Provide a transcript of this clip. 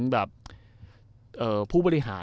แบบเอ่อผู้บริหาร